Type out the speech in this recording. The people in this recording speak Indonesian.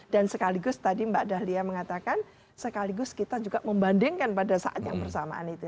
dan sekaligus tadi mbak dahlia mengatakan sekaligus kita juga membandingkan pada saat yang bersamaan itu